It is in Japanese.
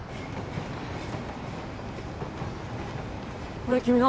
これ君の？